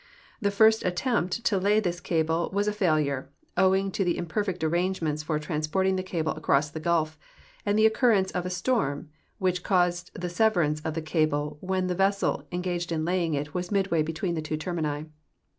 The first attempt to lay this cable AA*as a failure, OAAung to the imperfect arrangements for transporting the calde across the gulf, and the occurrence of a storm AA'hich caused the seA^erance of the cable AAdren the A^essel engaged in laying it AA'as midAA^aA'^ betAA^een the tAAm termini.